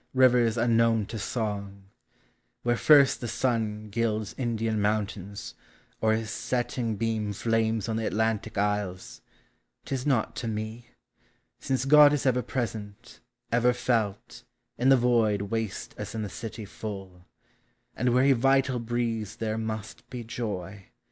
Rivers unknown to song,— where first the sun Gilds Indian mountains, or his setting beam Flames on the Atlantic isles, '1 is naught to me; Since God is ever present, ever felt, In the void waste as in the city full J And where he vital breathes there must he joy.